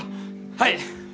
はい！